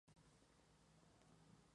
Se encuentra en Kenia, Somalia y Tanzania.